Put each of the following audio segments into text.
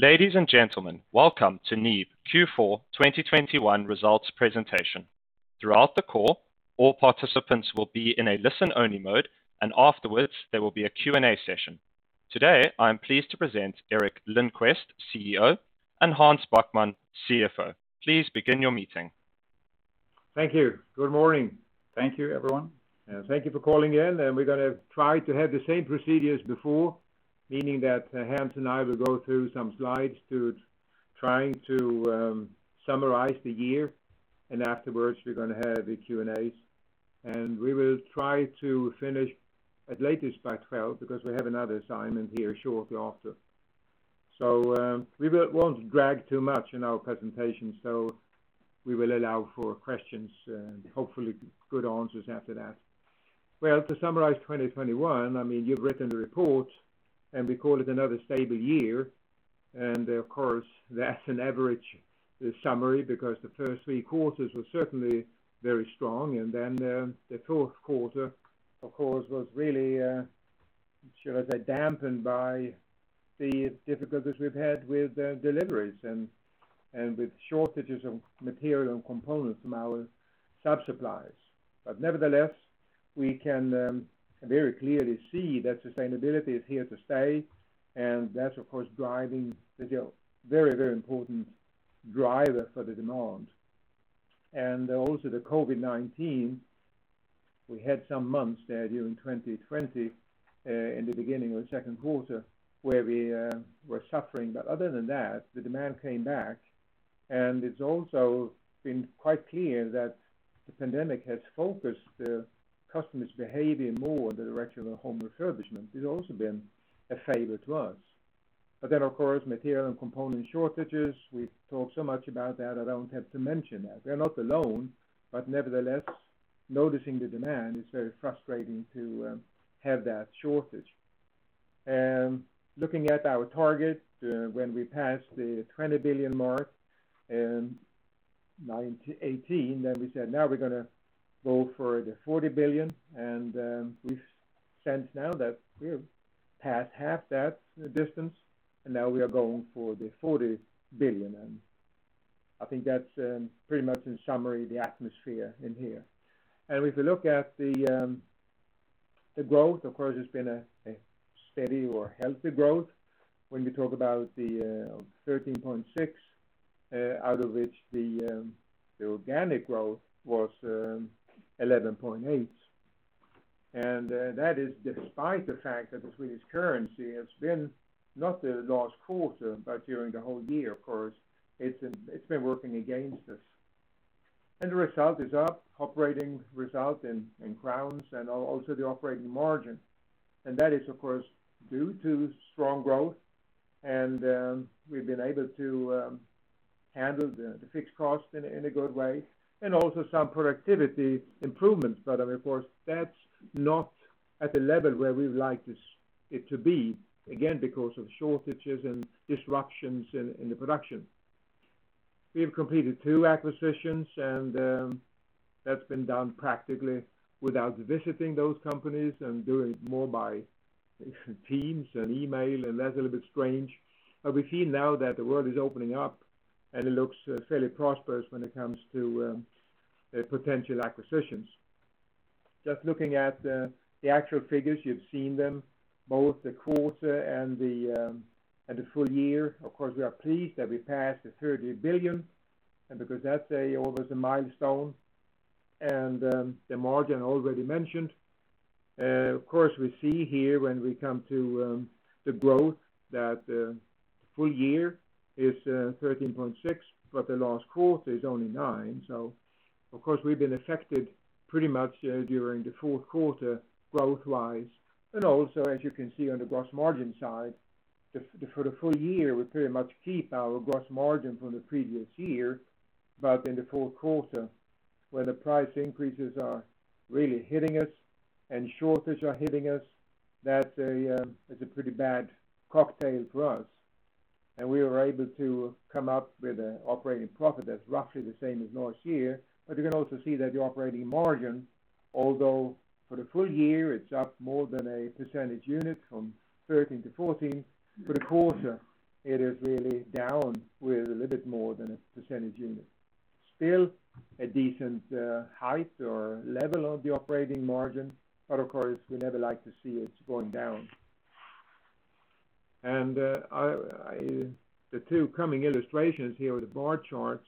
Ladies and gentlemen, welcome to NIBE Q4 2021 results presentation. Throughout the call, all participants will be in a listen-only mode, and afterwards, there will be a Q&A session. Today, I am pleased to present Eric Lindquist, CEO, and Hans Backman, CFO. Please begin your meeting. Thank you. Good morning. Thank you, everyone. Thank you for calling in, and we're gonna try to have the same procedure as before, meaning that Hans and I will go through some slides to try to summarize the year. Afterwards, we're gonna have a Q&A. We will try to finish as latest by 12:00 P.M. because we have another assignment here shortly after. We won't drag too much in our presentation, so we will allow for questions and hopefully good answers after that. Well, to summarize 2021, I mean, you've written the report, and we call it another stable year. Of course, that's an average summary because the first three quarters were certainly very strong. The fourth quarter, of course, was really, shall I say, dampened by the difficulties we've had with deliveries and with shortages of material and components from our sub-suppliers. Nevertheless, we can very clearly see that sustainability is here to stay, and that's, of course, driving very, very important driver for the demand. Also the COVID-19, we had some months there during 2020 in the beginning of the second quarter, where we were suffering. Other than that, the demand came back, and it's also been quite clear that the pandemic has focused the customers' behavior more in the direction of home refurbishment. It's also been a favor to us. Of course, material and component shortages, we've talked so much about that I don't have to mention that. We're not alone, but nevertheless, noticing the demand, it's very frustrating to have that shortage. Looking at our target, when we passed the 20 billion mark in 2018, then we said, "Now we're gonna go for the 40 billion." We've sensed now that we've passed half that distance, and now we are going for the 40 billion. I think that's pretty much in summary the atmosphere in here. If you look at the growth, of course, it's been a steady or healthy growth when we talk about the 13.6%, out of which the organic growth was 11.8%. That is despite the fact that the Swedish currency has been, not the last quarter, but during the whole year, of course, it's been working against us. The result is up, operating result in [kronor] and also the operating margin. That is, of course, due to strong growth and we've been able to handle the fixed cost in a good way and also some productivity improvements. I mean, of course, that's not at the level where we would like it to be, again, because of shortages and disruptions in the production. We have completed two acquisitions, and that's been done practically without visiting those companies and doing it more by Teams and email, and that's a little bit strange. We see now that the world is opening up, and it looks fairly prosperous when it comes to potential acquisitions. Just looking at the actual figures, you've seen them, both the quarter and the full year. Of course, we are pleased that we passed 30 billion, because that's always a milestone, and the margin already mentioned. Of course, we see here when we come to the growth that the full year is 13.6%, but the last quarter is only 9%. We've been affected pretty much during the fourth quarter growth-wise. Also, as you can see on the gross margin side, for the full year, we pretty much keep our gross margin from the previous year. In the fourth quarter, where the price increases are really hitting us and shortages are hitting us, that's a pretty bad cocktail for us. We were able to come up with an operating profit that's roughly the same as last year. You can also see that the operating margin, although for the full year it's up more than a percentage unit from 13% to 14%, for the quarter, it is really down with a little bit more than a percentage unit. Still a decent height or level of the operating margin, but of course, we never like to see it going down. The two coming illustrations here are the bar charts.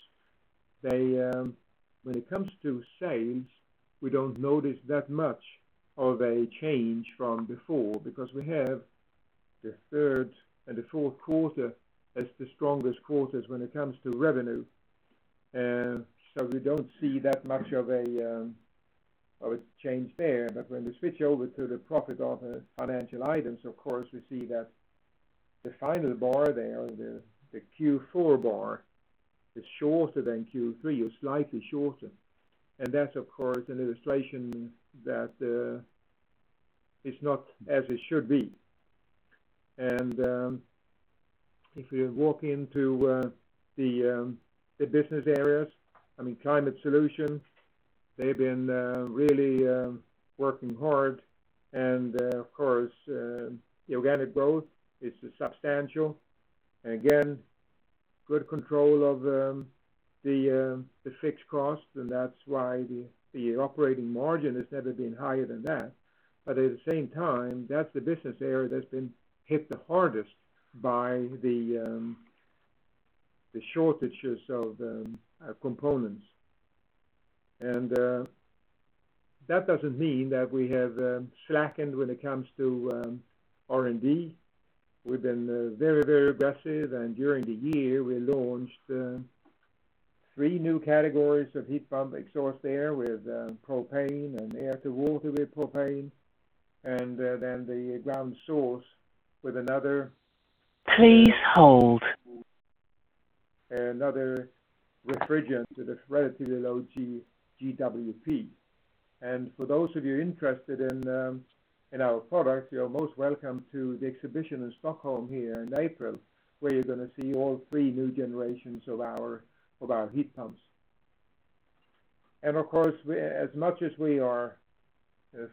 They, when it comes to sales, we don't notice that much of a change from before because we have the third and the fourth quarter as the strongest quarters when it comes to revenue. We don't see that much of a change there. When we switch over to the profit and financial items, of course, we see that the final bar there, the Q4 bar is shorter than Q3 or slightly shorter. That's, of course, an illustration that is not as it should be. If you walk into the business areas, I mean, Climate Solutions. They've been really working hard and, of course, organic growth is substantial. Again, good control of the fixed cost, and that's why the operating margin has never been higher than that. At the same time, that's the business area that's been hit the hardest by the shortages of components. That doesn't mean that we have slackened when it comes to R&D. We've been very aggressive, and during the year, we launched three new categories of heat pump exhaust air with propane and air-to-water with propane, and then the ground source with another- Please hold another refrigerant with a relatively low GWP. For those of you interested in our products, you are most welcome to the exhibition in Stockholm here in April, where you're gonna see all three new generations of our heat pumps. Of course, as much as we are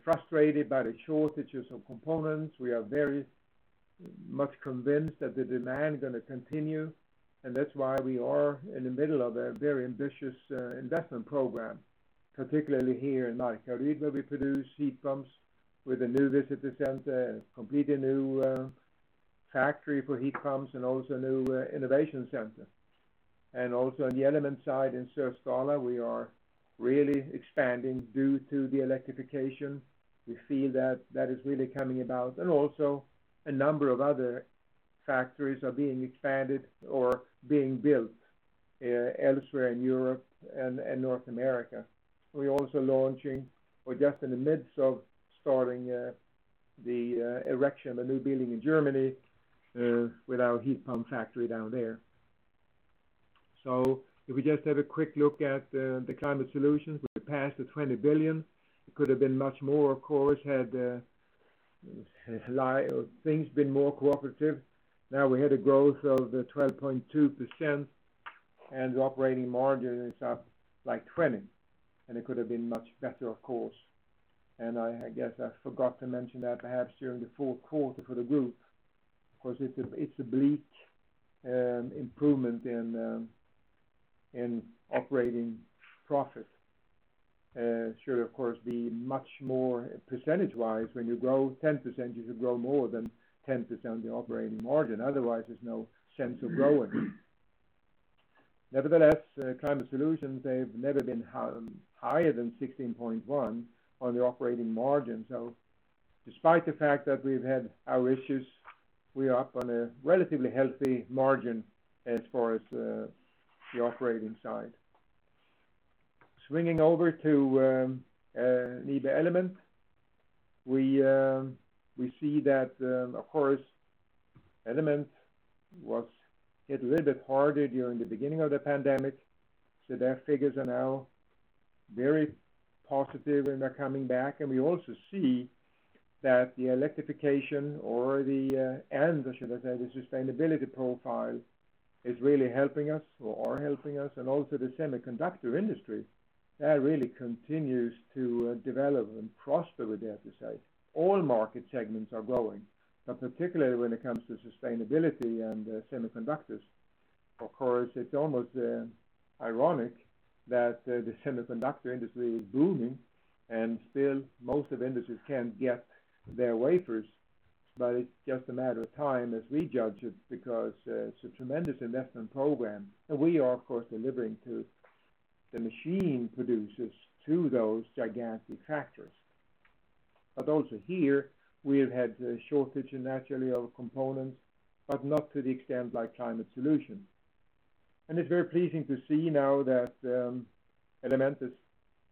frustrated by the shortages of components, we are very much convinced that the demand is gonna continue, and that's why we are in the middle of a very ambitious investment program, particularly here in [Markaryd], where we produce heat pumps with a new visitor center, a completely new factory for heat pumps, and also a new innovation center. Also on the element side in Sösdala, we are really expanding due to the electrification. We feel that is really coming about. Also a number of other factories are being expanded or being built elsewhere in Europe and North America. We're also launching or just in the midst of starting the erection of a new building in Germany with our heat pump factory down there. If we just have a quick look at the climate solutions, we passed the 20 billion. It could have been much more, of course, had things been more cooperative. Now we had a growth of 12.2%, and the operating margin is up, like, 20%, and it could have been much better, of course. I guess I forgot to mention that perhaps during the full quarter for the group, because it's a bleak improvement in operating profit. It should, of course, be much more percentage-wise. When you grow 10%, you should grow more than 10% the operating margin. Otherwise, there's no sense of growing. Nevertheless, Climate Solutions, they've never been higher than 16.1% on the operating margin. So despite the fact that we've had our issues, we are up on a relatively healthy margin as far as the operating side. Swinging over to NIBE Element, we see that, of course, Element was hit a little bit harder during the beginning of the pandemic. So their figures are now very positive, and they're coming back. We also see that the electrification and the sustainability profile is really helping us or are helping us. Also the semiconductor industry, that really continues to develop and prosper, I dare to say. All market segments are growing, but particularly when it comes to sustainability and semiconductors. Of course, it's almost ironic that the semiconductor industry is booming, and still most of industries can't get their wafers. But it's just a matter of time as we judge it because it's a tremendous investment program, and we are, of course, delivering to the machine producers, to those gigantic factories. But also here, we have had a shortage naturally of components, but not to the extent like Climate Solutions. It's very pleasing to see now that Element is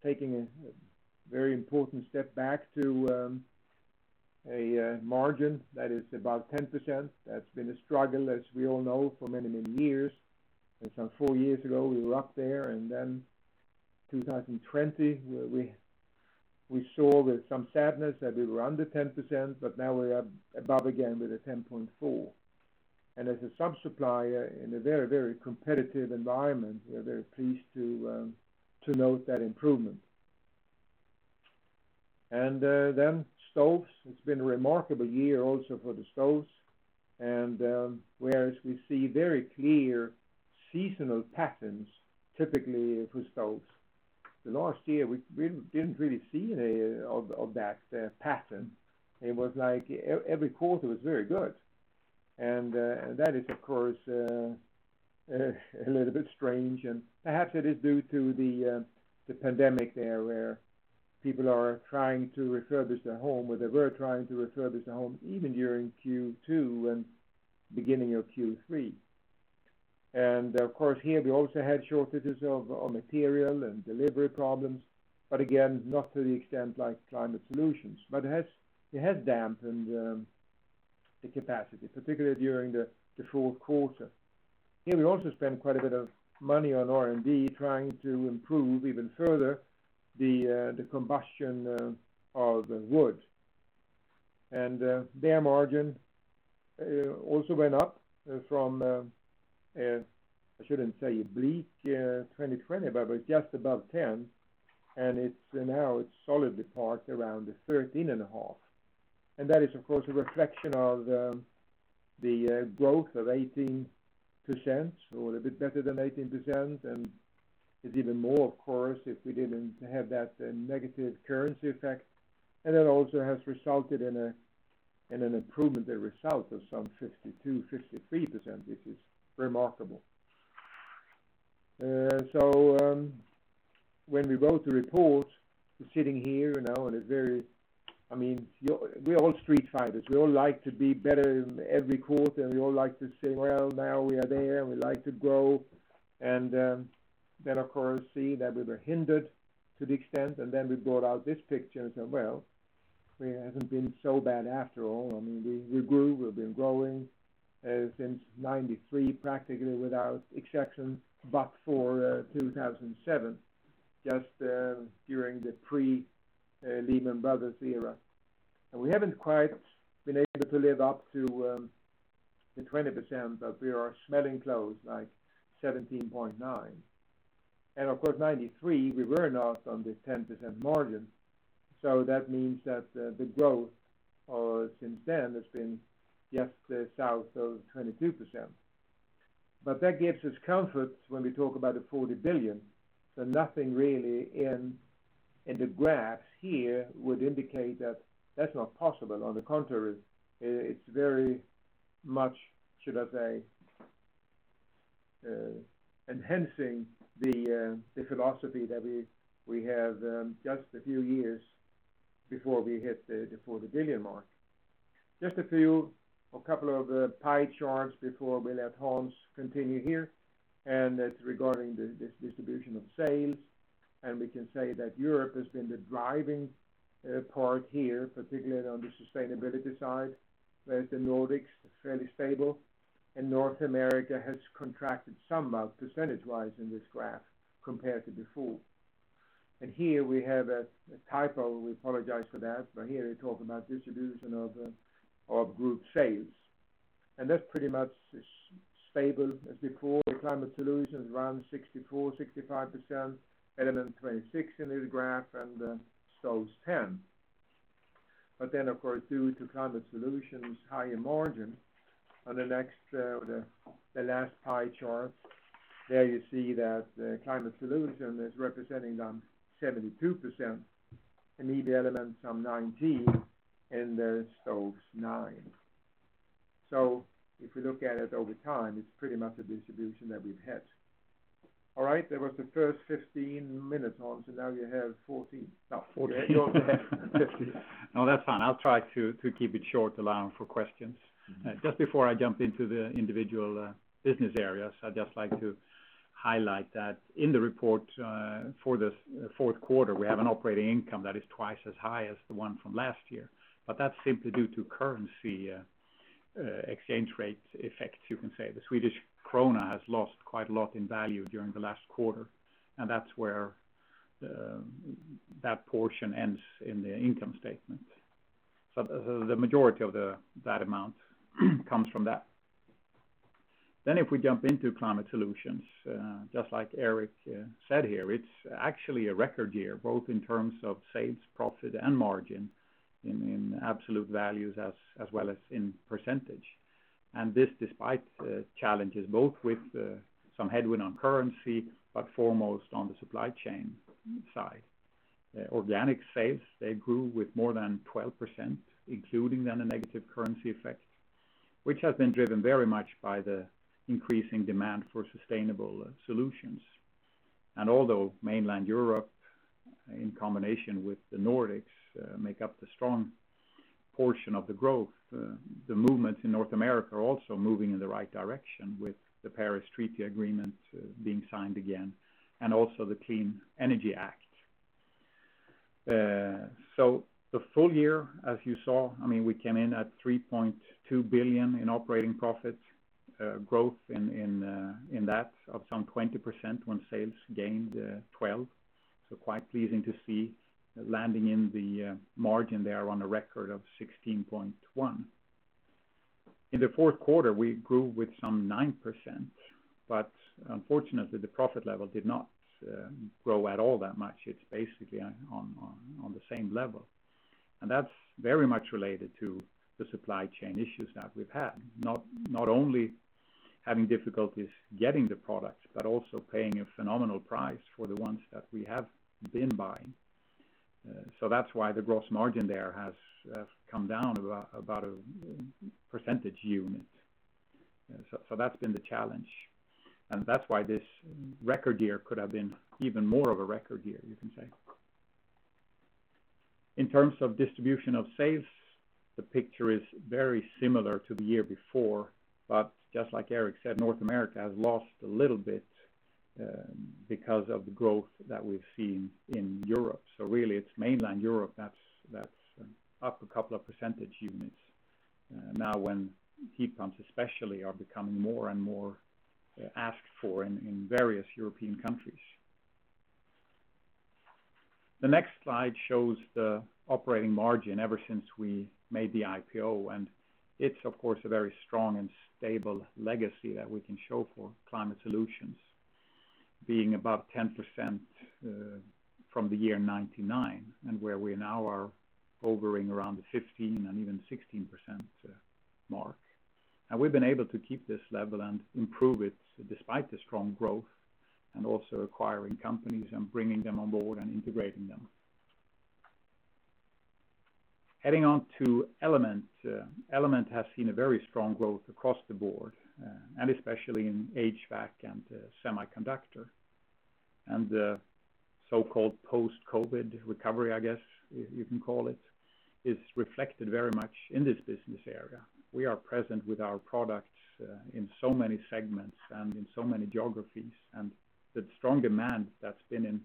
taking a very important step back to a margin that is about 10%. That's been a struggle, as we all know, for many, many years. Some four years ago, we were up there, and then 2020, we saw with some sadness that we were under 10%, but now we are above again with a 10.4%. As a sub-supplier in a very, very competitive environment, we're very pleased to note that improvement. Then stoves, it's been a remarkable year also for the stoves. Whereas we see very clear seasonal patterns typically for stoves, the last year we didn't really see any of that pattern. It was like every quarter was very good. That is, of course, a little bit strange. Perhaps it is due to the pandemic there, where people are trying to refurbish their home, or they were trying to refurbish their home even during Q2 and beginning of Q3. Of course, here we also had shortages of material and delivery problems, but again, not to the extent like Climate Solutions. It has dampened the capacity, particularly during the fourth quarter. Here we also spent quite a bit of money on R&D trying to improve even further the combustion of wood. Their margin also went up from, I shouldn't say a bleak 2020, but just above 10%. It's now solidly parked around 13.5%. That is, of course, a reflection of the growth of 18% or a bit better than 18%. It's even more, of course, if we didn't have that negative currency effect. That also has resulted in an improvement in the result of some 52%-53%, which is remarkable. When we wrote the report, sitting here now in a very I mean, you we're all street fighters. We all like to be better in every quarter, and we all like to say, "Well, now we are there, and we like to grow." Then of course see that we were hindered to the extent, and then we brought out this picture and said, "Well, it hasn't been so bad after all." I mean, we grew. We've been growing since 1993, practically without exception, but for 2007, just during the pre-Lehman Brothers era. We haven't quite been able to live up to the 20%, but we are coming close, like 17.9%. Of course, 1993, we were not on the 10% margin, so that means that the growth since then has been just south of 22%. That gives us comfort when we talk about the 40 billion, that nothing really in the graphs here would indicate that that's not possible. On the contrary, it's very much, should I say, enhancing the philosophy that we have just a few years before we hit the 40 billion mark. Just a few or a couple of pie charts before we let Hans continue here, and it's regarding this distribution of sales. We can say that Europe has been the driving part here, particularly on the sustainability side. Whereas the Nordics are fairly stable, and North America has contracted somewhat percentage-wise in this graph compared to before. Here we have a typo, we apologize for that. Here we talk about distribution of group sales. That's pretty much stable as before. Climate Solutions around 64-65%, Element 26% in this graph, and Stoves 10%. Then, of course, due to Climate Solutions higher margin on the next, the last pie chart, there you see that climate solution is representing some 72%, and Element some 19%, and the Stoves 9%. If we look at it over time, it's pretty much the distribution that we've had. All right. That was the first 15s minutes, Hans, and now you have 14 minutes. No, that's fine. I'll try to keep it short, allowing for questions. Mm-hmm. Just before I jump into the individual business areas, I'd just like to highlight that in the report for the fourth quarter, we have an operating income that is tswice as high as the one from last year. That's simply due to currency exchange rate effects, you can say. The Swedish krona has lost quite a lsot in value during the last quarter, and that's where that portion ends in the income statement. The majority of that amount comes from that. If we jump into Climate Solutions, just like Eric said here, it's actually a record year, both in terms of sales, profit and margin in absolute values as well as in percentage. This despite challenges both with some headwind on currency, but foremost on the supply chain side. Organic sales, they grew with more than 12%, including then a negative currency effect, which has been driven very much by the increasing demand for sustainable solutions. Although mainland Europe in combination with the Nordics make up the strong portion of the growth, the movement in North America are also moving in the right direction with the Paris Agreement being signed again and also the Clean Energy Act. The full year, as you saw, I mean, we came in at 3.2 billion in operating profit, growth in that of some 20% when sales gained 12%. Quite pleasing to see landing in the margin there on a record of 16.1%. In the fourth quarter, we grew with some 9%, but unfortunately, the profit level did not grow at all that much. It's basically on the same level, and that's very much related to the supply chain issues that we've had, not only having difficulties getting the products but also paying a phenomenal price for the ones that we have been buying. So that's why the gross margin there has come down about a percentage unit. So that's been the challenge, and that's why this record year could have been even more of a record year, you can say. In terms of distribution of sales, the picture is very similar to the year before. Just like Eric said, North America has lost a little bit because of the growth that we've seen in Europe. Really, it's mainland Europe that's up a couple of percentage units now when heat pumps especially are becoming more and more asked for in various European countries. The next slide shows the operating margin ever since we made the IPO, and it's, of course, a very strong and stable legacy that we can show for Climate Solutions being above 10% from the year 1999, and where we now are hovering around the 15% and even 16% mark. We've been able to keep this level and improve it despite the strong growth, and also acquiring companies and bringing them on board and integrating them. Heading on to Element. Element has seen a very strong growth across the board, and especially in HVAC and semiconductor. The so-called post-COVID recovery, I guess you can call it, is reflected very much in this business area. We are present with our products in so many segments and in so many geographies, and the strong demand that's been in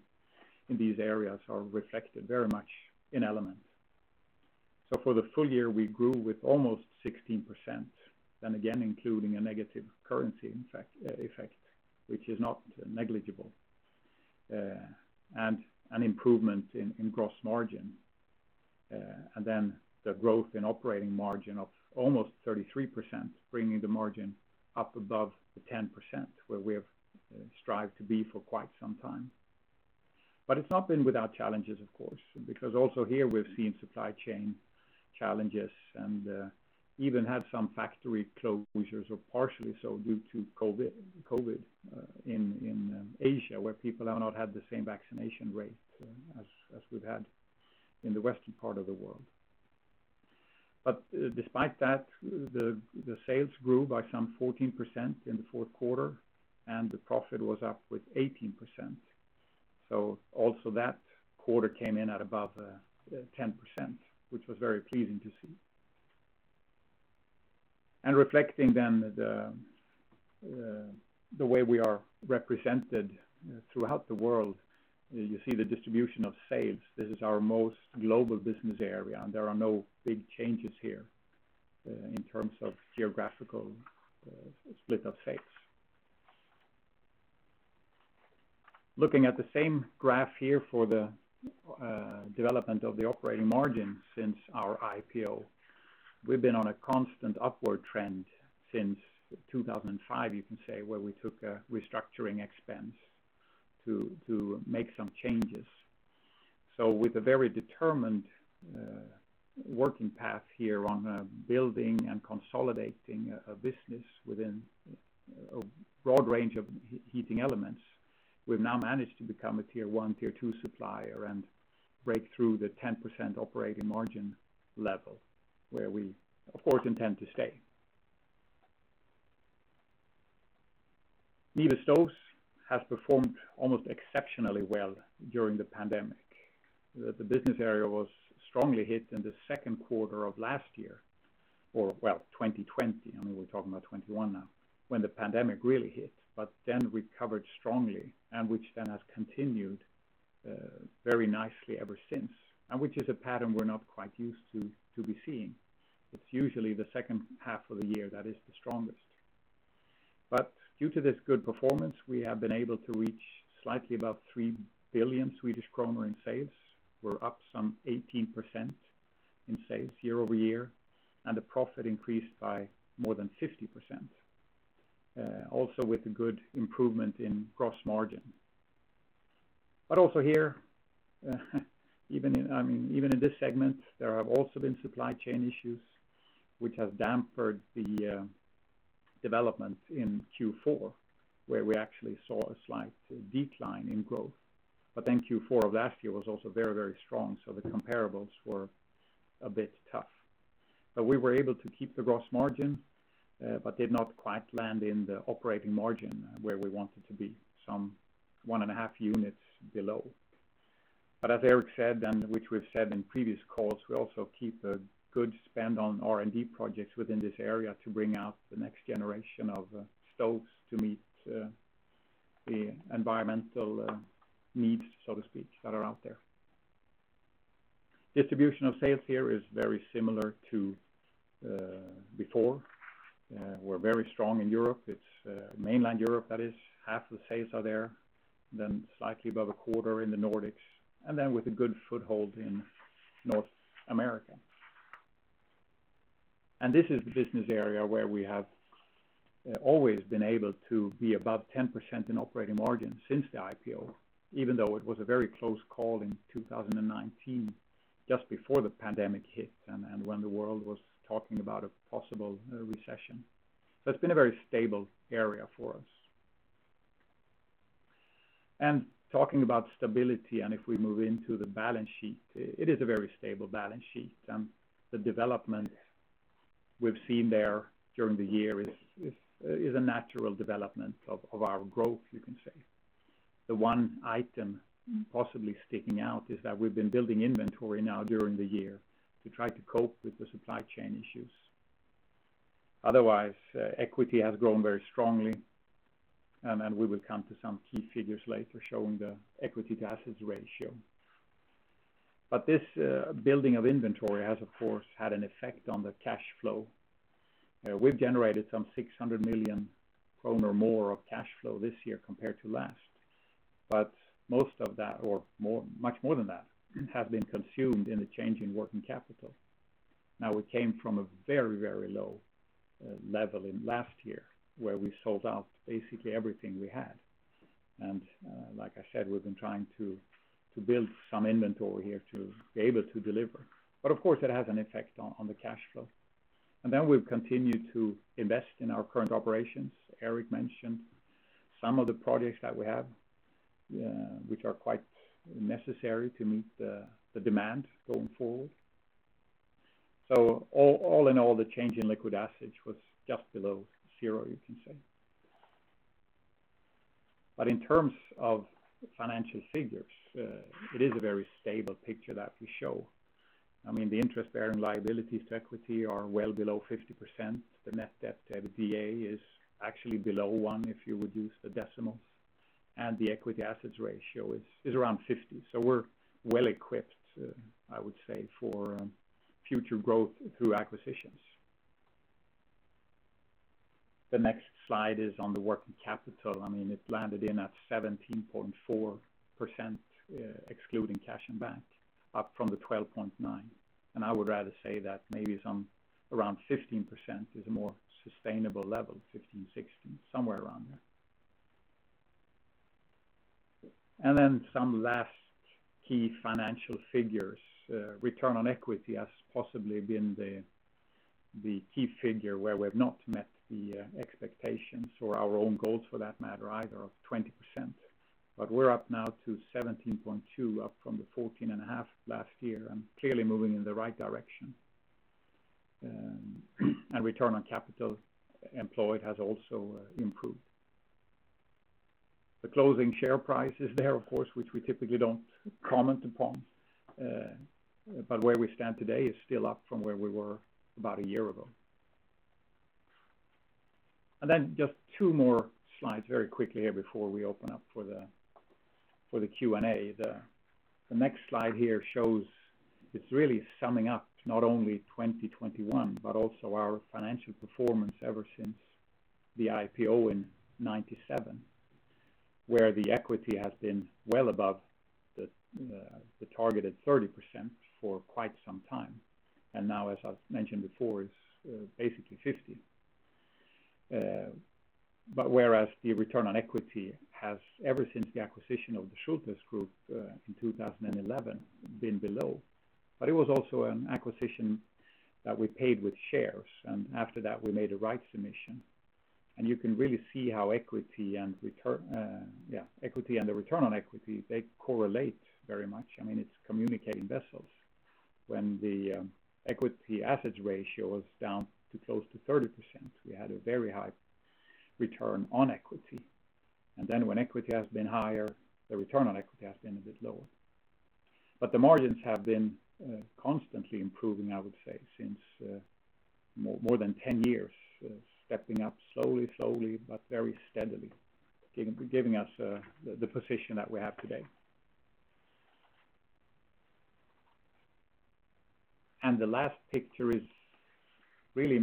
these areas are reflected very much in Element. For the full year, we grew with almost 16%. Again, including a negative currency, in fact, effect, which is not negligible, and an improvement in gross margin. Then the growth in operating margin of almost 33%, bringing the margin up above the 10%, where we have strived to be for quite some time. It's not been without challenges, of course, because also here we've seen supply chain challenges and even had some factory closures or partially so due to COVID in Asia, where people have not had the same vaccination rate as we've had in the western part of the world. Despite that, the sales grew by some 14% in the fourth quarter, and the profit was up with 18%. Also that quarter came in at above 10%, which was very pleasing to see. Reflecting then the way we are represented throughout the world, you see the distribution of sales. This is our most global business area, and there are no big changes here in terms of geographical split of sales. Looking at the same graph here for the development of the operating margin since our IPO, we've been on a constant upward trend since 2005, you can say, where we took a restructuring expense to make some changes. With a very determined working path here on building and consolidating a business within a broad range of heating elements, we've now managed to become a Tier 1, Tier 2 supplier and break through the 10% operating margin level, where we, of course, intend to stay. NIBE Stoves has performed almost exceptionally well during the pandemic. The business area was strongly hit in the second quarter of last year, or well, 2020, I mean, we're talking about 2021 now, when the pandemic really hit, but then recovered strongly and which then has continued very nicely ever since, and which is a pattern we're not quite used to be seeing. It's usually the second half of the year that is the strongest. Due to this good performance, we have been able to reach slightly above 3 billion Swedish kronor in sales. We're up some 18% in sales year-over-year, and the profit increased by more than 50%, also with a good improvement in gross margin. Also here, even in this segment, there have also been supply chain issues which have dampened the development in Q4, where we actually saw a slight decline in growth. Q4 of last year was also very, very strong. The comparables were a bit tough. We were able to keep the gross margin, did not quite land in the operating margin where we wanted to be, some 1.5 units below. As Eric said, and which we've said in previous calls, we also keep a good spend on R&D projects within this area to bring out the next generation of stoves to meet the environmental needs, so to speak, that are out there. Distribution of sales here is very similar to before. We're very strong in Europe. It's mainland Europe, that is. Half the sales are there. Slightly above a quarter in the Nordics, and with a good foothold in North America. This is the business area where we have always been able to be above 10% in operating margin since the IPO, even though it was a very close call in 2019, just before the pandemic hit and when the world was talking about a possible recession. It's been a very stable area for us. Talking about stability, if we move into the balance sheet, it is a very stable balance sheet. The development we've seen there during the year is a natural development of our growth, you can say. The one item possibly sticking out is that we've been building inventory now during the year to try to cope with the supply chain issues. Otherwise, equity has grown very strongly, and then we will come to some key figures later showing the equity to assets ratio. This building of inventory has of course had an effect on the cash flow. We've generated some 600 million kronor more of cash flow this year compared to last. Most of that, or more, much more than that, have been consumed in the change in working capital. Now, we came from a very, very low level in last year where we sold out basically everything we had. Like I said, we've been trying to build some inventory here to be able to deliver. Of course, it has an effect on the cash flow. We've continued to invest in our current operations. Eric mentioned some of the projects that we have, which are quite necessary to meet the demand going forward. All in all, the change in liquid assets was just below zero, you can say. In terms of financial figures, it is a very stable picture that we show. I mean, the interest bearing liabilities to equity are well below 50%. The net-debt-to EBITDA is actually below 1 if you reduce the decimals, and the equity assets ratio is around 50%. We're well equipped, I would say, for future growth through acquisitions. The next slide is on the working capital. I mean, it landed in at 17.4%, excluding cash and bank, up from the 12.9%. I would rather say that maybe some around 15% is a more sustainable level, 15%-16%, somewhere around there. Then some last key financial figures, return on equity has possibly been the key figure where we've not met the expectations or our own goals for that matter either of 20%. We're up now to 17.2%, up from the 14.5% last year, and clearly moving in the right direction. Return on capital employed has also improved. The closing share price is there, of course, which we typically don't comment upon. Where we stand today is still up from where we were about a year ago. Then just two more slides very quickly here before we open up for the Q&A. The next slide here shows it's really summing up not only 2021, but also our financial performance ever since the IPO in 1997, where the equity has been well above the targeted 30% for quite some time. Now, as I've mentioned before, it's basically 50%. Whereas the return on equity has ever since the acquisition of the Schulthess Group in 2011 been below. It was also an acquisition that we paid with shares, and after that, we made a rights issue. You can really see how equity and the return on equity, they correlate very much. I mean, it's communicating vessels. When the equity assets ratio is down to close to 30%, we had a very high return on equity. Then when equity has been higher, the return on equity has been a bit lower. The margins have been constantly improving, I would say, since more than 10 years, stepping up slowly, but very steadily, giving us the position that we have today. The last picture is really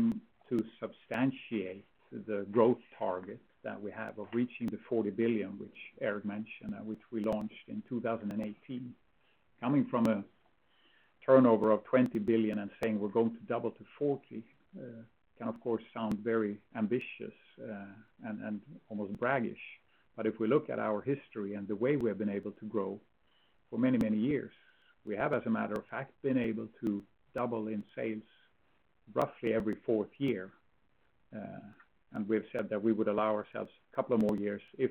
to substantiate the growth target that we have of reaching 40 billion, which Eric mentioned, which we launched in 2018. Coming from a turnover of 20 billion and saying we're going to double to 40 billion can of course sound very ambitious and almost braggish. If we look at our history and the way we have been able to grow for many, many years, we have, as a matter of fact, been able to double in sales roughly every fourth year. We've said that we would allow ourselves a couple of more years if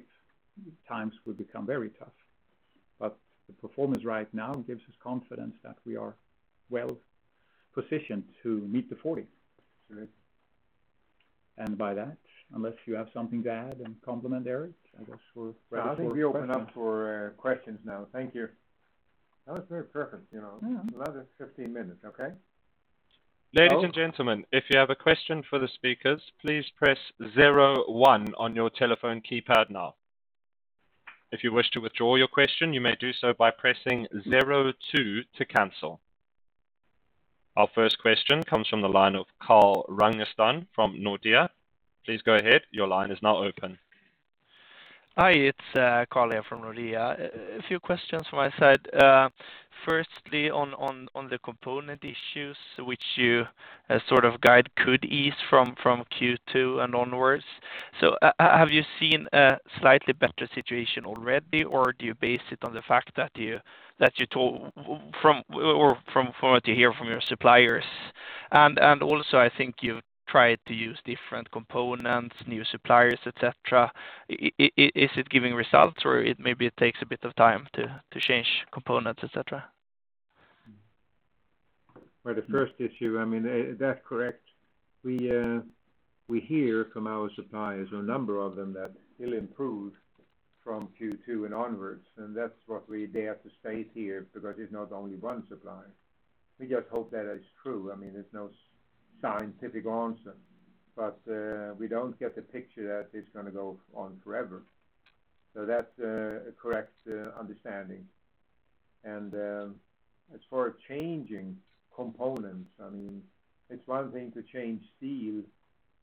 times would become very tough. The performance right now gives us confidence that we are well-positioned to meet the 40%. That's right. By that, unless you have something to add and complement, Eric, I guess we're ready for questions. I think we open up for questions now. Thank you. That was very perfect, you know? Yeah. Another 15 minutes, okay? Ladies and gentlemen, if you have a question for the speakers, please press zero one on your telephone keypad now. If you wish to withdraw your question, you may do so by pressing zero two to cancel. Our first question comes from the line of Carl Ragnerstam from Nordea. Please go ahead. Your line is now open. Hi, it's Carl here from Nordea. A few questions from my side. Firstly, on the component issues which you sort of guide could ease from Q2 and onwards. Have you seen a slightly better situation already, or do you base it on the fact that you talk to or from what you hear from your suppliers? Also, I think you've tried to use different components, new suppliers, et cetera. Is it giving results, or maybe it takes a bit of time to change components, et cetera? For the first issue, I mean, is that correct? We hear from our suppliers or a number of them that it'll improve from Q2 and onwards, and that's what we dare to state here because it's not only one supplier. We just hope that is true. I mean, there's no scientific answer, but we don't get the picture that it's gonna go on forever. That's a correct understanding. As far as changing components, I mean, it's one thing to change steel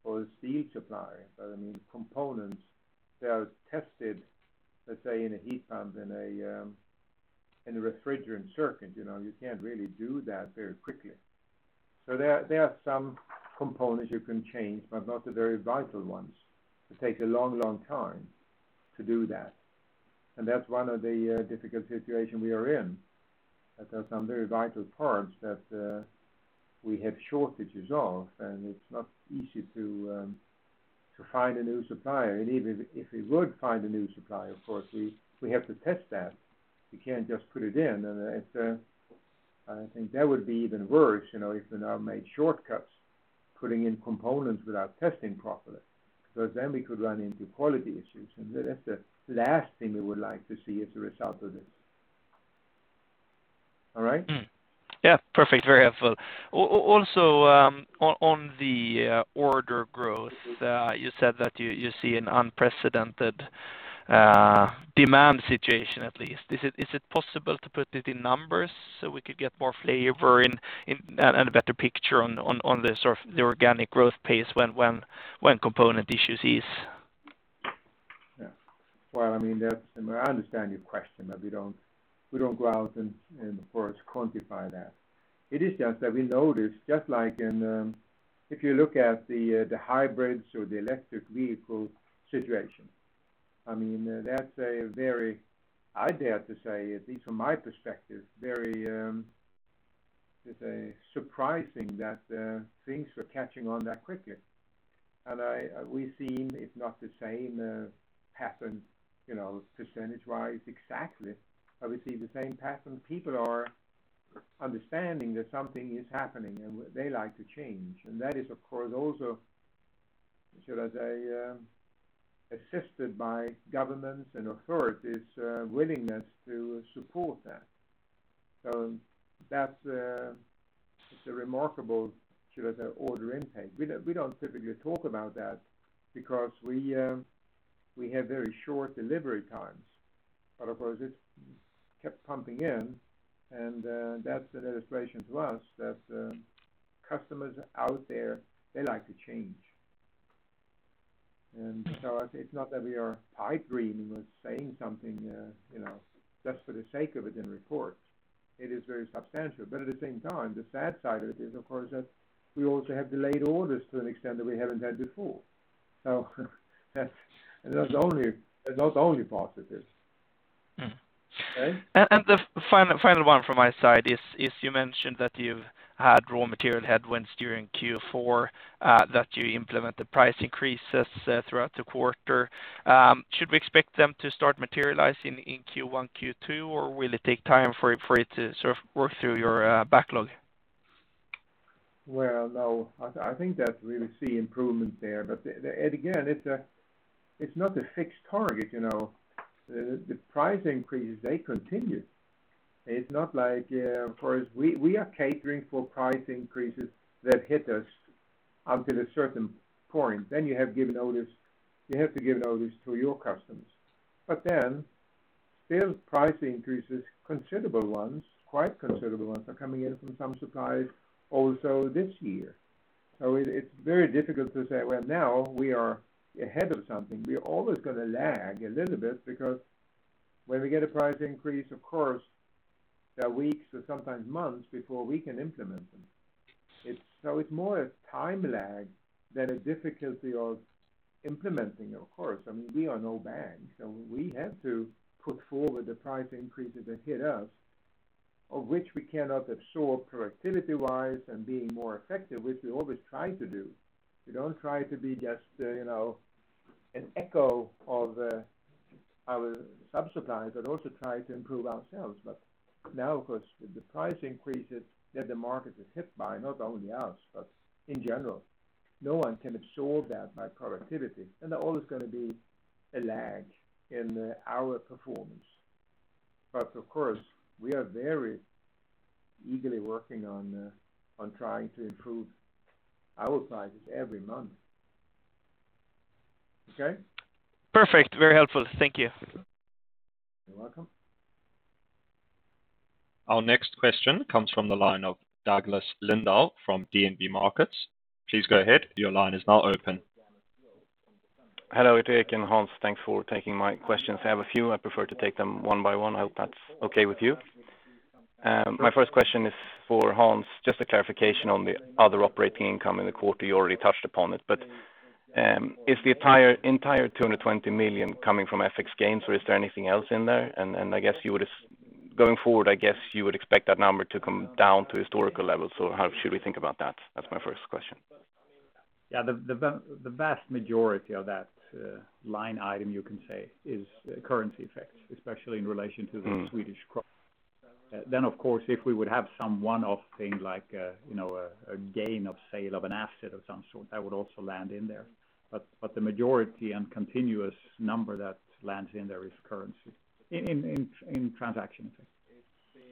for the steel supply, but I mean, components that are tested, let's say in a heat pump in a refrigerant circuit, you know, you can't really do that very quickly. There are some components you can change, but not the very vital ones. It takes a long time to do that, and that's one of the difficult situation we are in. That there are some very vital parts that we have shortages of, and it's not easy to find a new supplier. Even if we would find a new supplier, of course, we have to test that. We can't just put it in. It's, I think that would be even worse, you know, if we now made shortcuts putting in components without testing properly, because then we could run into quality issues. That's the last thing we would like to see as a result of this. All right? Yeah. Perfect. Very helpful. Also, on the order growth, you said that you see an unprecedented demand situation at least. Is it possible to put it in numbers so we could get more flavor in and a better picture on the sort of organic growth pace when component issues ease? Yeah. Well, I mean, that's. I understand your question, but we don't go out and of course quantify that. It is just that we notice just like in if you look at the hybrids or the electric vehicle situation. I mean, that's a very, I dare to say, at least from my perspective, very, it's a surprising that things were catching on that quickly. We've seen, if not the same pattern, you know, percentage wise exactly, but we see the same pattern. People are understanding that something is happening and they like to change. That is of course also, should I say, assisted by governments and authorities willingness to support that. That's, it's a remarkable, should I say, order intake. We don't typically talk about that because we have very short delivery times. Of course it's kept pumping in and that's an illustration to us that customers out there they like to change. It's not that we are pipe dreaming or saying something you know just for the sake of it in reports, it is very substantial. But at the same time, the sad side of it is, of course, that we also have delayed orders to an extent that we haven't had before. That's not only positive. Mm. Okay. The final one from my side is, you mentioned that you've had raw material headwinds during Q4 that you implemented price increases throughout the quarter. Should we expect them to start materializing in Q1, Q2, or will it take time for it to sort of work through your backlog? Well, no, I think that we'll see improvement there. Again, it's not a fixed target, you know. The price increases, they continue. It's not like, of course we are catering for price increases that hit us up to the certain point. Then you have given notice, you have to give notice to your customers. Then still price increases, considerable ones, quite considerable ones are coming in from some suppliers also this year. It's very difficult to say, well, now we are ahead of something. We're always gonna lag a little bit because when we get a price increase, of course, there are weeks or sometimes months before we can implement them. It's more a time lag than a difficulty of implementing. Of course, I mean, we are no bank, so we have to put forward the price increases that hit us, of which we cannot absorb productivity-wise and being more effective, which we always try to do. We don't try to be just, you know, an echo of, our suppliers, but also try to improve ourselves, now, of course, with the price increases that the market is hit by, not only us, but in general, no one can absorb that by productivity, there always gonna be a lag in, our performance, of course, we are very eagerly working on trying to improve our prices every month. Okay? Perfect. Very helpful. Thank you. You're welcome. Our next question comes from the line of Douglas Lindahl from DNB Markets. Please go ahead. Your line is now open. Hello, Eric and Hans. Thanks for taking my questions. I have a few. I prefer to take them one by one. I hope that's okay with you. My first question is for Hans, just a clarification on the other operating income in the quarter. You already touched upon it, but is the entire 200 million coming from FX gains or is there anything else in there? And going forward, I guess you would expect that number to come down to historical levels. So how should we think about that? That's my first question. Yeah. The vast majority of that line item you can say is currency effects, especially in relation to the Swedish krona. Of course, if we would have some one-off thing like a gain of sale of an asset of some sort, that would also land in there. The majority and continuous number that lands in there is currency in transaction effects.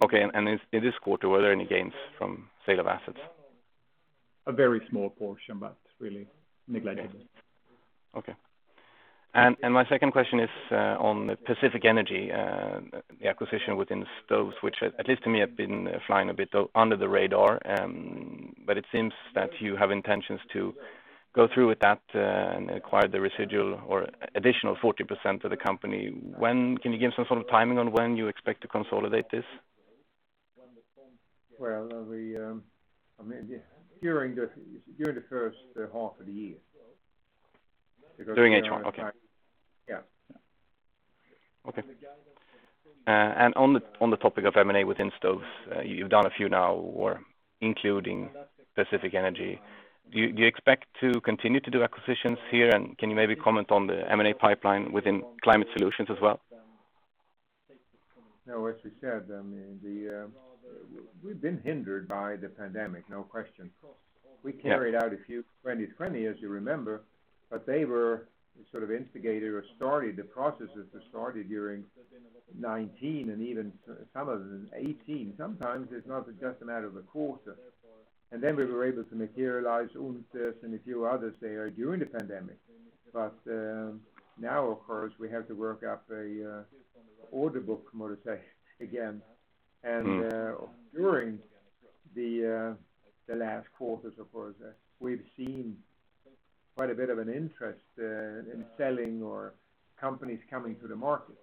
Okay. In this quarter, were there any gains from sale of assets? A very small portion, but really negligible. Okay. My second question is on Pacific Energy, the acquisition within stoves, which at least to me have been flying a bit under the radar, but it seems that you have intentions to go through with that, and acquire the residual or additional 40% of the company. Can you give some sort of timing on when you expect to consolidate this? Well, I mean, during the first half of the year. During H1, okay. Yeah. Okay. On the topic of M&A within stoves, you've done a few now or including Pacific Energy. Do you expect to continue to do acquisitions here? Can you maybe comment on the M&A pipeline within climate solutions as well? No, as we said, I mean, the, we've been hindered by the pandemic, no question. Yeah. We carried out a few 2020, as you remember, but they were sort of instigated or started the processes that started during 2019 and even some of them 2018. Sometimes it's not just a matter of a quarter. Then we were able to materialize and a few others there during the pandemic. Now, of course, we have to work up a order book, might I say, again. Mm-hmm. During the last quarters, of course, we've seen quite a bit of an interest in selling our companies coming to the market.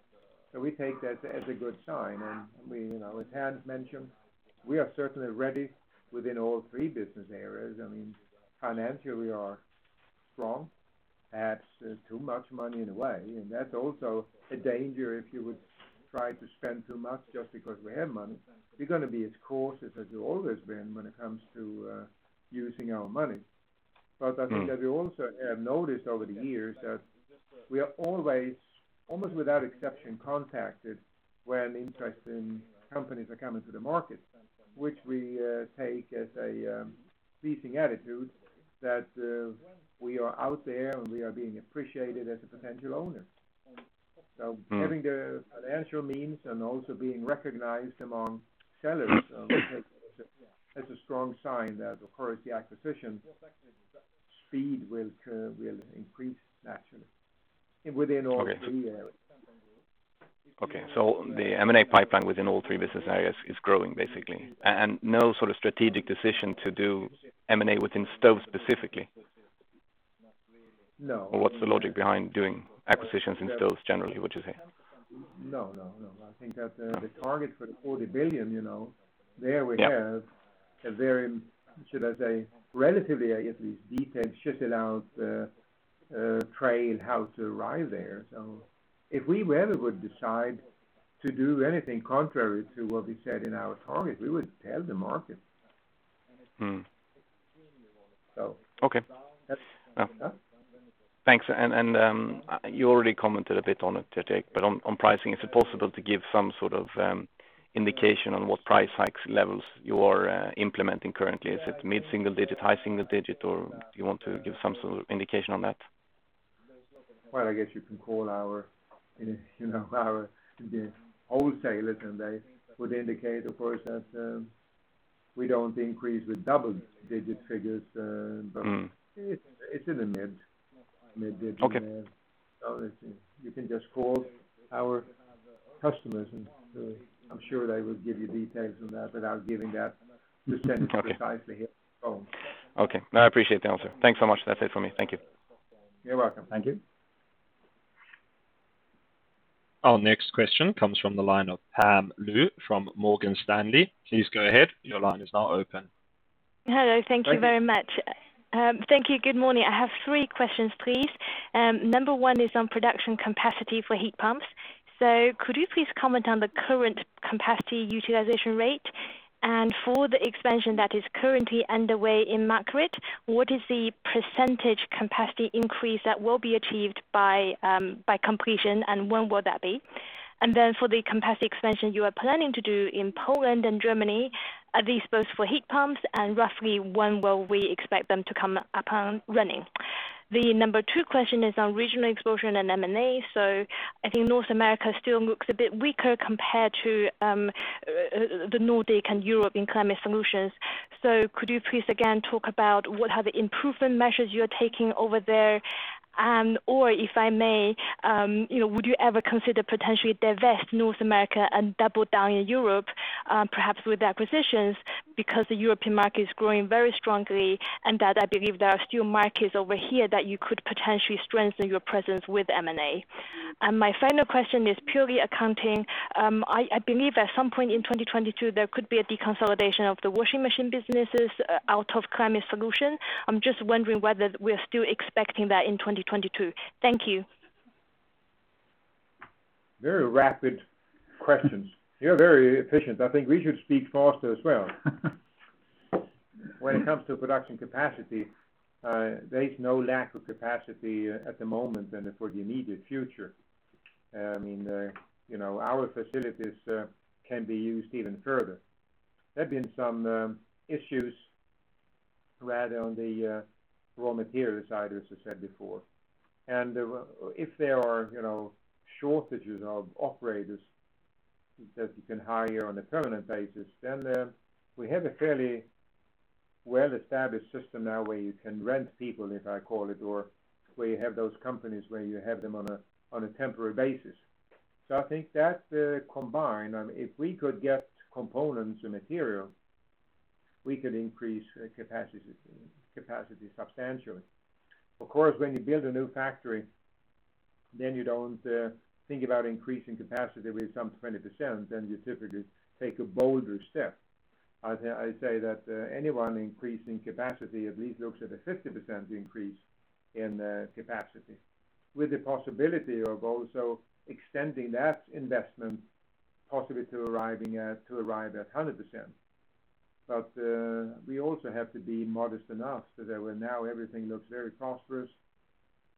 We take that as a good sign. We, you know, as Hans mentioned, are certainly ready within all three business areas. I mean, financially, we are strong. Perhaps too much money in a way, and that's also a danger if you would try to spend too much just because we have money. We're gonna be as cautious as we've always been when it comes to using our money. Mm-hmm. I think that we also have noticed over the years that we are always, almost without exception, contacted when interesting companies are coming to the market, which we take as a pleasing attitude that we are out there and we are being appreciated as a potential owner. Mm-hmm. Having the financial means and also being recognized among sellers is a strong sign that of course the acquisition speed will increase naturally within all three areas. Okay. The M&A pipeline within all three business areas is growing, basically. No sort of strategic decision to do M&A within Stoves specifically? No. What's the logic behind doing acquisitions in Stoves generally, would you say? No, no. I think that the target for the 40 billion, you know, there we have. Yeah. A very, should I say, relatively, at least detailed, laid out trail how to arrive there. If we ever would decide to do anything contrary to what we said in our target, we would tell the market. Mm-hmm. So. Okay. Yes. Thanks. You already commented a bit on it today, but on pricing, is it possible to give some sort of indication on what price hikes levels you are implementing currently? Is it mid-single digit, high single digit, or do you want to give some sort of indication on that? Well, I guess you can call our, you know, our wholesalers, and they would indicate, of course, that we don't increase with double digit figures. Mm-hmm. It's in the mid-digit. Okay. You can just call our customers and I'm sure they will give you details on that without giving that precisely here on the phone. Okay. No, I appreciate the answer. Thanks so much. That's it for me. Thank you. You're welcome. Thank you. Our next question comes from the line of Pam Liu from Morgan Stanley. Please go ahead. Your line is now open. Hello. Thank you very much. Thank you. Good morning. I have three questions, please. Number one is on production capacity for heat pumps. Could you please comment on the current capacity utilization rate? For the expansion that is currently underway in Markaryd, what is the percentage capacity increase that will be achieved by completion, and when will that be? For the capacity expansion you are planning to do in Poland and Germany, are these both for heat pumps, and roughly when will we expect them to come up and running? The number two question is on regional exposure and M&A. I think North America still looks a bit weaker compared to the Nordic and Europe in Climate Solutions. Could you please again talk about what improvement measures you're taking over there? If I may, you know, would you ever consider potentially divest North America and double down in Europe, perhaps with acquisitions because the European market is growing very strongly, and that I believe there are still markets over here that you could potentially strengthen your presence with M&A. My final question is purely accounting. I believe at some point in 2022, there could be a deconsolidation of the washing machine businesses out of climate solution. I'm just wondering whether we're still expecting that in 2022. Thank you. Very rapid questions. You're very efficient. I think we should speak faster as well. When it comes to production capacity, there is no lack of capacity at the moment and for the immediate future. I mean, you know, our facilities can be used even further. There have been some issues rather on the raw material side, as I said before. If there are, you know, shortages of operators. Because you can hire on a permanent basis. We have a fairly well-established system now where you can rent people, if I call it, or where you have those companies where you have them on a temporary basis. I think that combined, if we could get components and material, we could increase capacity substantially. Of course, when you build a new factory, then you don't think about increasing capacity with some 20%, then you typically take a bolder step. I'd say that anyone increasing capacity at least looks at a 50% increase in capacity, with the possibility of also extending that investment possibly to arrive at 100%. But we also have to be modest enough so that, when now everything looks very prosperous,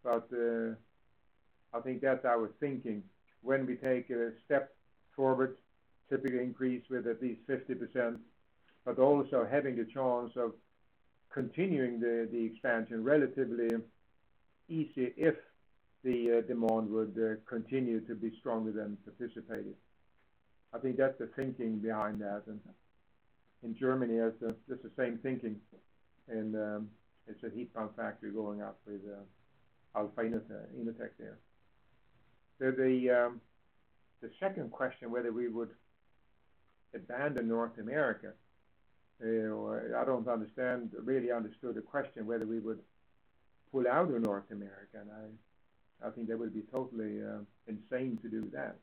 I think that's our thinking when we take a step forward, typically increase with at least 50%, but also having a chance of continuing the expansion relatively easy if the demand would continue to be stronger than anticipated. I think that's the thinking behind that. In Germany, it's the same thinking. It's a heat pump factory going up with the alpha innotec there. The second question, whether we would abandon North America, you know, I really understood the question whether we would pull out of North America. I think that would be totally insane to do that.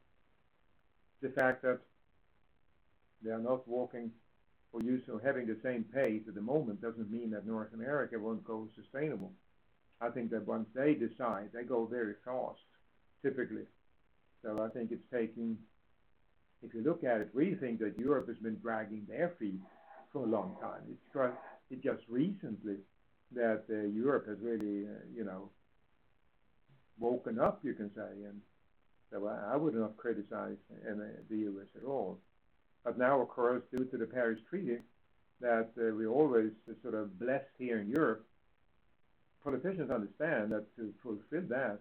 The fact that they are not walking or used to having the same pace at the moment doesn't mean that North America won't go sustainable. I think that once they decide, they go very fast, typically. I think if you look at it, we think that Europe has been dragging their feet for a long time. It's just recently that Europe has really, you know, woken up, you can say. I would not criticize the U.S. at all. Now, of course, due to the Paris Agreement that we always sort of blessed here in Europe, politicians understand that to fulfill that,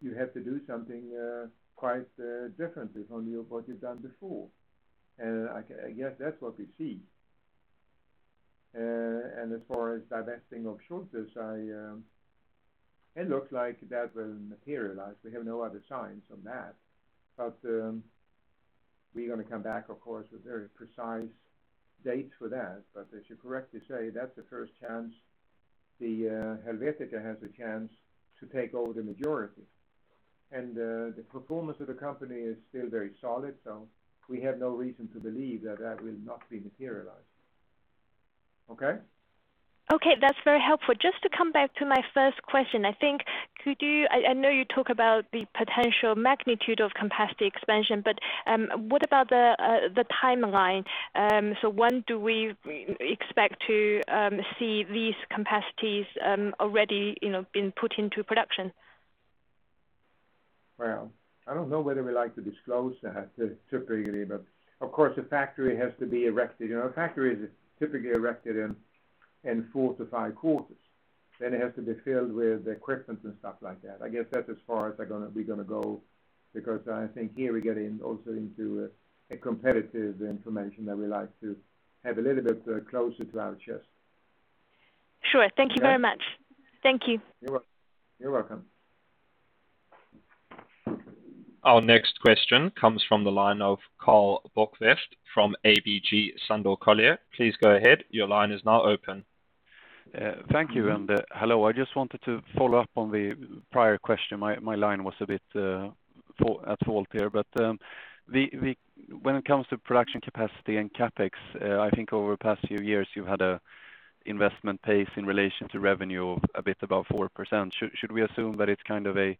you have to do something quite differently from what you've done before. I guess that's what we see. As far as divesting of Schulthess, it looks like that will materialize. We have no other signs on that, but we're gonna come back, of course, with very precise dates for that. As you correctly say, that's the first chance Helvetica has a chance to take over the majority. The performance of the company is still very solid, so we have no reason to believe that that will not be materialized. Okay? Okay. That's very helpful. Just to come back to my first question, I know you talk about the potential magnitude of capacity expansion, but what about the timeline? When do we expect to see these capacities already, you know, been put into production? Well, I don't know whether we like to disclose that typically, but of course, a factory has to be erected. You know, a factory is typically erected in four to five quarters. Then it has to be filled with equipment and stuff like that. I guess that's as far as we're gonna go, because I think here we get in also into competitive information that we like to have a little bit closer to our chest. Sure. Thank you very much. Yeah. Thank you. You're welcome. Our next question comes from the line of Karl Bokvist from ABG Sundal Collier. Please go ahead. Your line is now open. Thank you. Hello. I just wanted to follow up on the prior question. My line was a bit at fault here, but when it comes to production capacity and CapEx, I think over the past few years, you've had a investment pace in relation to revenue a bit above 4%. Should we assume that it's kind of a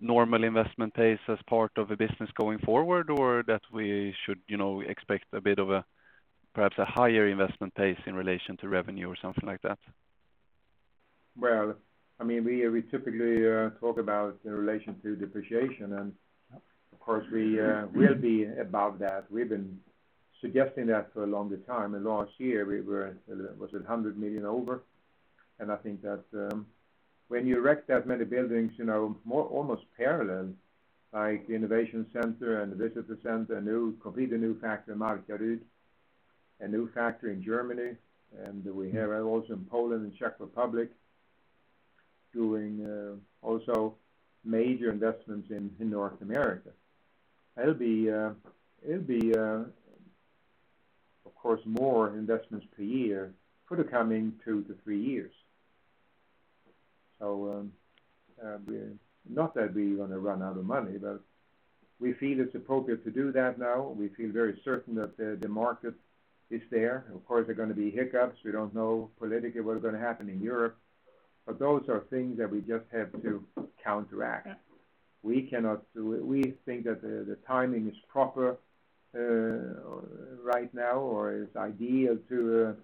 normal investment pace as part of a business going forward? Or that we should, you know, expect a bit of a, perhaps a higher investment pace in relation to revenue or something like that? Well, I mean, we typically talk about in relation to depreciation and of course, we will be above that. We've been suggesting that for a longer time. Last year we were 100 million over? I think that when you erect that many buildings, you know, more almost parallel like innovation center and the visitor center, completely new factory in Markaryd, a new factory in Germany. We have also in Poland and Czech Republic doing also major investments in North America. It'll be of course, more investments per year for the coming two to three years. We're not that we're gonna run out of money, but we feel it's appropriate to do that now. We feel very certain that the market is there. Of course, there are gonna be hiccups. We don't know politically what is gonna happen in Europe, but those are things that we just have to counteract. We cannot do it. We think that the timing is proper right now or is ideal to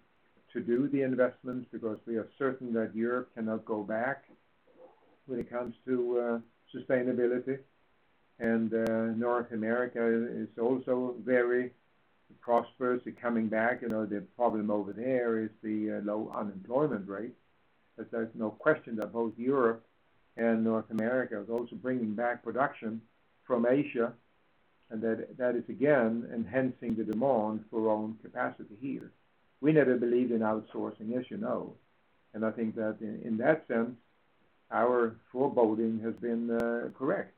do the investments because we are certain that Europe cannot go back when it comes to sustainability. North America is also very, prospects are coming back. You know, the problem over there is the low unemployment rate, but there's no question that both Europe and North America is also bringing back production from Asia, and that is again enhancing the demand for own capacity here. We never believed in outsourcing, as you know, and I think that in that sense, our foresight has been correct.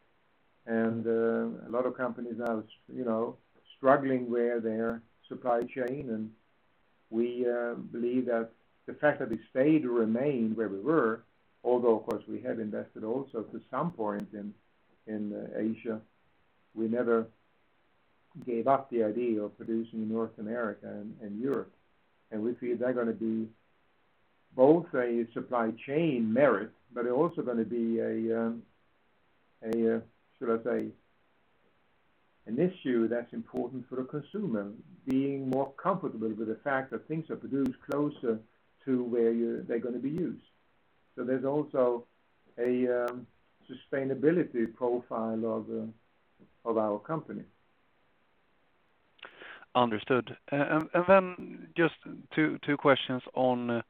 A lot of companies are, you know, struggling with their supply chain, and we believe that the fact that we stayed or remained where we were, although, of course, we have invested also to some point in Asia, we never gave up the idea of producing in North America and Europe. We feel they're gonna be both a supply chain merit, but they're also gonna be a should I say, an issue that's important for the consumer, being more comfortable with the fact that things are produced closer to where they're gonna be used. There's also a sustainability profile of our company. Understood. Just two questions on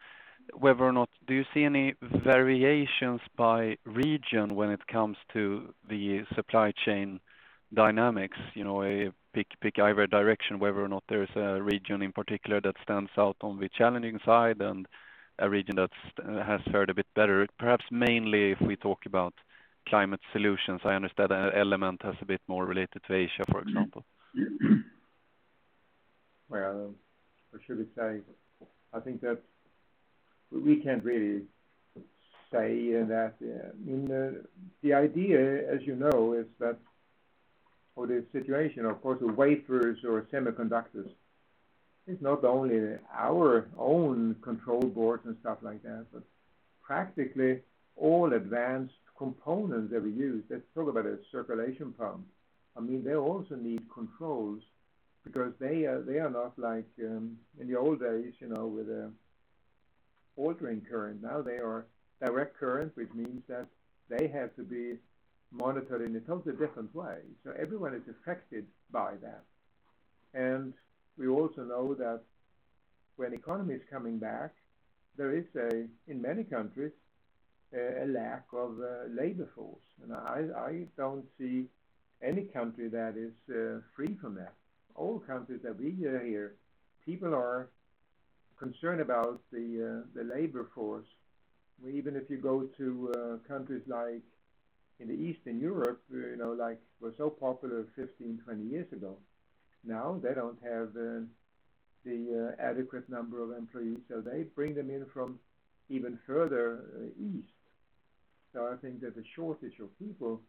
whether or not do you see any variations by region when it comes to the supply chain dynamics? Pick either direction, whether or not there's a region in particular that stands out on the challenging side and a region that has fared a bit better. Perhaps mainly if we talk about climate solutions, I understand that element has a bit more related to Asia, for example. I mean, the idea, as you know, is that for the situation, of course, the wafers or semiconductors is not only our own control boards and stuff like that, but practically all advanced components that we use. Let's talk about a circulation pump. I mean, they also need controls because they are not like in the old days, you know, with alternating current. Now they are direct current, which means that they have to be monitored in a totally different way. So everyone is affected by that. We also know that when the economy is coming back, there is, in many countries, a lack of a labor force. I don't see any country that is free from that. All countries that we hear here, people are concerned about the labor force, where even if you go to countries like in Eastern Europe, where, you know, like, were so popular 15-20 years ago, now they don't have the adequate number of employees, so they bring them in from even further east. I think that the shortage of people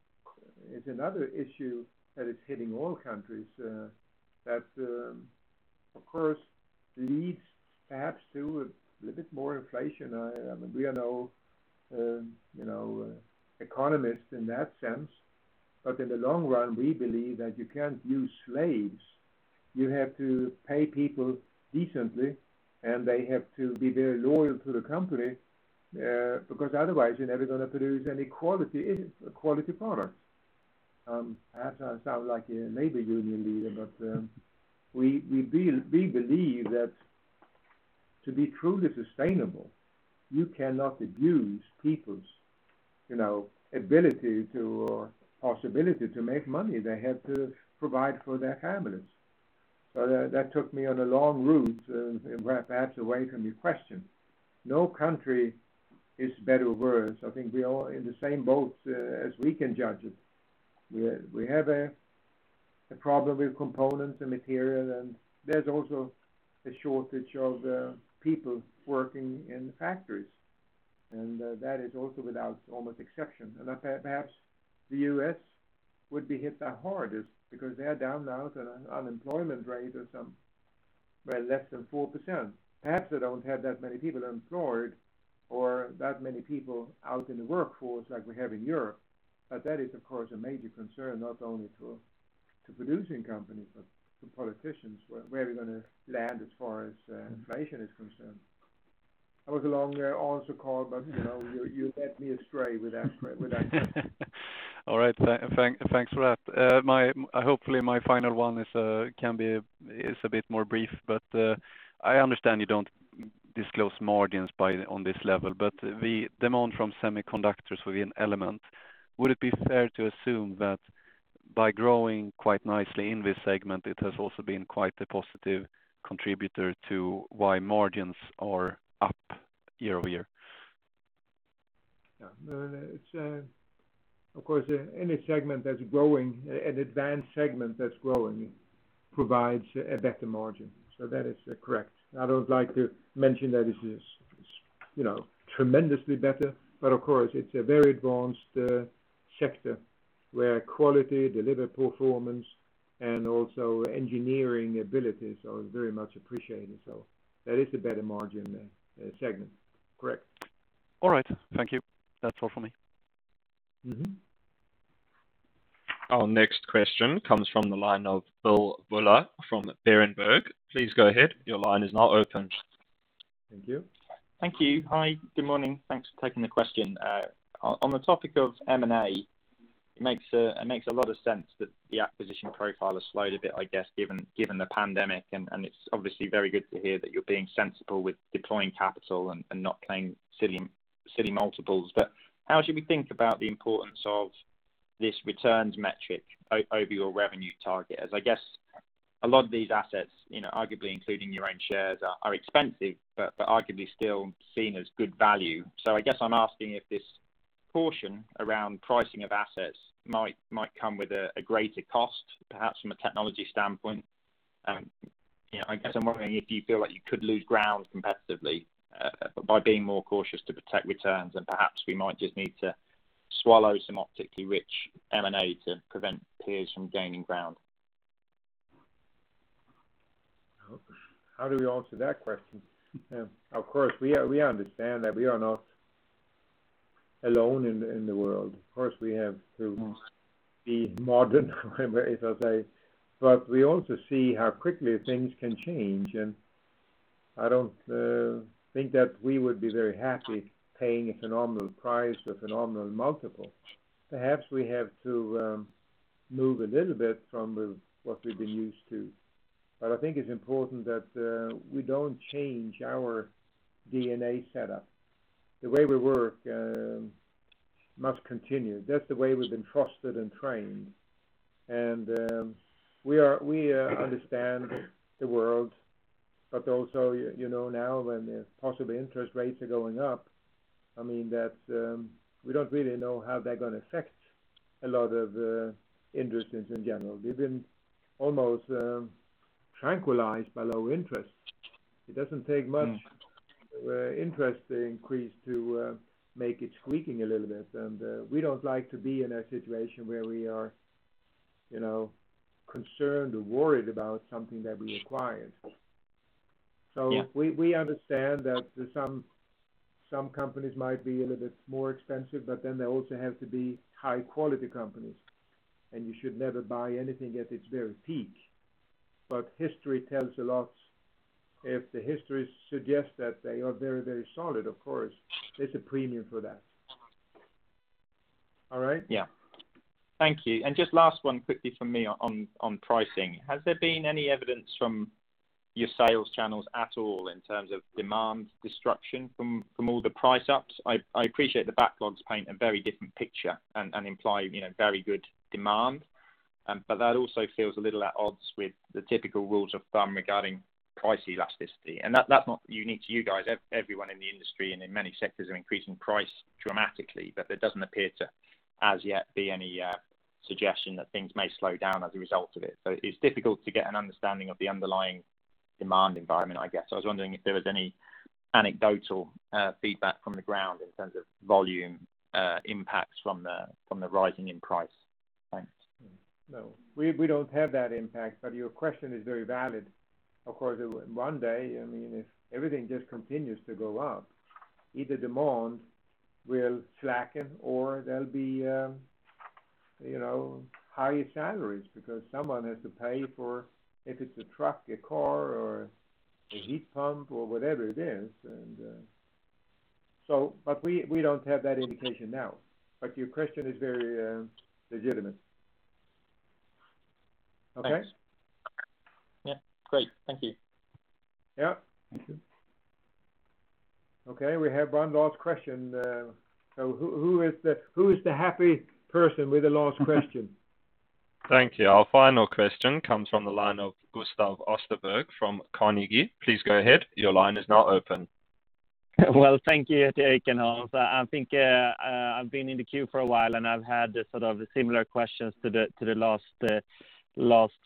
is another issue that is hitting all countries, that of course leads perhaps to a little bit more inflation. We are no, you know, economists in that sense, but in the long run, we believe that you can't use slaves. You have to pay people decently, and they have to be very loyal to the company, because otherwise you're never gonna produce any quality products. Perhaps I sound like a labor union leader, but we believe that to be truly sustainable, you cannot abuse people's, you know, ability to or possibility to make money. They have to provide for their families. That took me on a long route, perhaps away from your question. No country is better or worse. I think we're all in the same boat, as we can judge it. We have a problem with components and material, and there's also a shortage of people working in the factories, and that is also almost without exception. Perhaps the U.S. would be hit the hardest because they are down now to an unemployment rate of some, well, less than 4%. Perhaps they don't have that many people employed or that many people out in the workforce like we have in Europe. That is, of course, a major concern, not only to producing companies, but to politicians, where we're gonna land as far as inflation is concerned. That was a longer answer call, but, you know, you led me astray with that question. All right. Thanks for that. Hopefully my final one is a bit more brief, but I understand you don't disclose margins on this level, but the demand from semiconductors within Element, would it be fair to assume that by growing quite nicely in this segment, it has also been quite a positive contributor to why margins are up year-over-year? Yeah. No, no, it's of course any segment that's growing, an advanced segment that's growing provides a better margin. That is correct. I don't like to mention that it is, you know, tremendously better, but of course, it's a very advanced sector where quality, delivered performance, and also engineering abilities are very much appreciated. That is a better margin segment. Correct. All right. Thank you. That's all for me. Mm-hmm. Our next question comes from the line of Phil Buller from Berenberg. Please go ahead. Your line is now open. Thank you. Thank you. Hi, good morning. Thanks for taking the question. On the topic of M&A, it makes a lot of sense that the acquisition profile has slowed a bit, I guess, given the pandemic, and it's obviously very good to hear that you're being sensible with deploying capital and not paying silly multiples. How should we think about the importance of this returns metric over your revenue target? As I guess a lot of these assets, you know, arguably including your own shares are expensive but arguably still seen as good value. I guess I'm asking if this portion around pricing of assets might come with a greater cost, perhaps from a technology standpoint. You know, I guess I'm wondering if you feel like you could lose ground competitively by being more cautious to protect returns and perhaps we might just need to swallow some optically rich M&A to prevent peers from gaining ground. How do we answer that question? Of course, we understand that we are not alone in the world. Of course, we have to be modern, if I say, but we also see how quickly things can change, and I don't think that we would be very happy paying a phenomenal price or phenomenal multiple. Perhaps we have to move a little bit from what we've been used to. But I think it's important that we don't change our DNA setup. The way we work must continue. That's the way we've been trusted and trained. We understand the world, but also, you know, now when the possible interest rates are going up, I mean, that we don't really know how they're gonna affect a lot of industries in general. We've been almost tranquilized by low interest. It doesn't take much interest increase to make it squeaking a little bit. We don't like to be in a situation where we are, you know, concerned or worried about something that we acquired. Yeah. We understand that some companies might be a little bit more expensive, but then they also have to be high quality companies, and you should never buy anything at its very peak. But history tells a lot. If the history suggests that they are very solid, of course, there's a premium for that. All right? Yeah. Thank you. Just last one quickly from me on pricing. Has there been any evidence from your sales channels at all in terms of demand destruction from all the price ups? I appreciate the backlogs paint a very different picture and imply, you know, very good demand. But that also feels a little at odds with the typical rules of thumb regarding price elasticity. That's not unique to you guys. Everyone in the industry and in many sectors are increasing price dramatically, but there doesn't appear to, as yet, be any suggestion that things may slow down as a result of it. It's difficult to get an understanding of the underlying demand environment, I guess. I was wondering if there was any anecdotal feedback from the ground in terms of volume impacts from the rising in price. Thanks. No. We don't have that impact, but your question is very valid. Of course, one day, I mean, if everything just continues to go up, either demand will slacken or there'll be, you know, higher salaries because someone has to pay for if it's a truck, a car or a heat pump or whatever it is. So, but we don't have that indication now. Your question is very legitimate. Okay? Thanks. Yeah, great. Thank you. Yeah. Thank you. Okay, we have one last question. Who is the happy person with the last question? Thank you. Our final question comes from the line of Gustav Österberg from Carnegie. Please go ahead. Your line is now open. Well, thank you to Eric and Hans. I think I've been in the queue for a while, and I've had the sort of similar questions to the last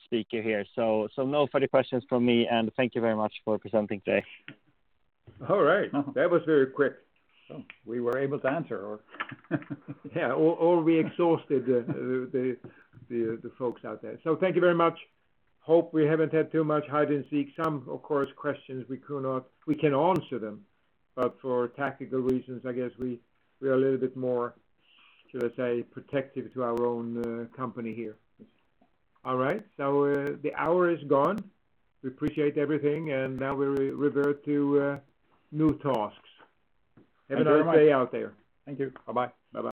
speaker here. No further questions from me, and thank you very much for presenting today. All right. That was very quick. We were able to answer. Yeah. We exhausted the folks out there. Thank you very much. Hope we haven't had too much hide and seek. Some, of course, questions we can answer them, but for tactical reasons, I guess we are a little bit more, should I say, protective to our own company here. All right. The hour is gone. We appreciate everything, and now we revert to new tasks. Have a nice day. Have a great day out there. Thank you. Bye-bye. Bye-bye.